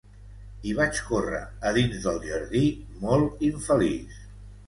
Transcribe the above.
I vaig córrer a dins del jardí, molt infeliç.